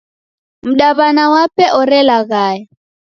Mdaw'ana wape orelaghaya.